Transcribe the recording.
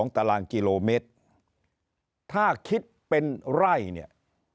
ตารางกิโลเมตรถ้าคิดเป็นไร่เนี่ย